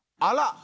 あら！